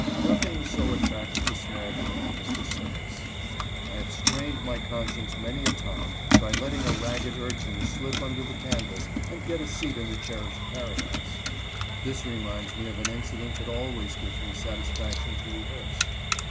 Nothing so attracts the small boy as the circus. I have strained my conscience many a time by letting a ragged urchin slip under the canvas and get a seat in the cherished paradise. This reminds me of an incident that always gives me satisfaction to rehearse.